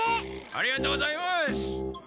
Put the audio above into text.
ありがとうございます。